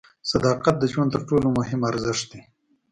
صداقت د ژوند تر ټولو مهم ارزښت دی.